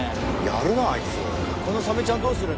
やるなあいつ。